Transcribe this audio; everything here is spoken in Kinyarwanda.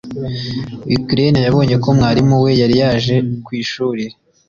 Ukraine yabonye ko mwarimu we yari yaje ku ishuri